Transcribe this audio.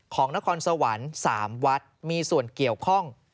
นครสวรรค์๓วัดมีส่วนเกี่ยวข้อง